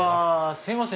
すいません